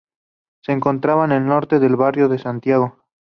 Se encontraba al norte del Barrio de Santiago.